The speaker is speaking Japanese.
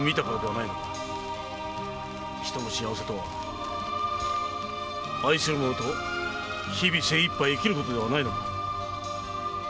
人の幸せとは愛する者と日々精一杯生きることではないのか？